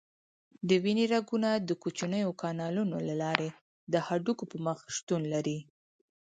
د وینې رګونه د کوچنیو کانالونو له لارې د هډوکو په مخ شتون لري.